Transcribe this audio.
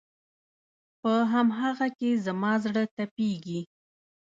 په هم هغه کې زما زړه تپېږي